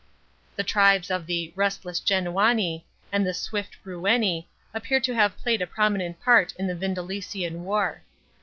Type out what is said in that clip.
f The tribes of the " restless Genauni " and the " swift Breuni " appear to have played a prominent part in the Vindelician war.